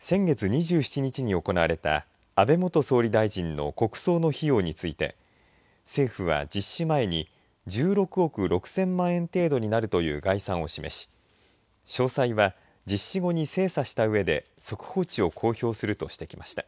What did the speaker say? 先月２７日に行われた安倍元総理大臣の国葬の費用について政府は実施前に１６億６０００万円程度になるという概算を示し詳細は実施後に精査したうえで速報値を公表するとしてきました。